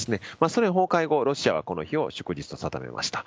ソ連崩壊後、ロシアはこの日を祝日と定めました。